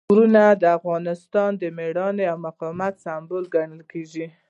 غرونه د افغانانو د مېړانې او مقاومت سمبول ګڼل کېږي.